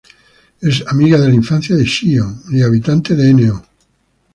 Es una amiga de la infancia de Shion y habitante de No.